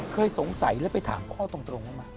เคยสงสัยหรือไปถามพ่อตรงมา